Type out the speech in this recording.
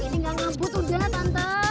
ini gak ngabut udah tante